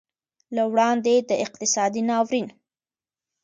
له وړاندې د اقتصادي ناورین